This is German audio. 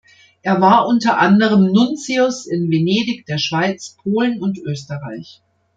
Er war unter anderem Nuntius in Venedig, der Schweiz, Polen und Österreich.